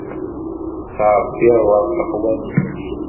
Ttɛebbiṛeɣ ɣef leqwanen-ik.